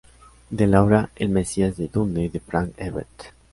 De la obra El Mesías de Dune de Frank Herbert.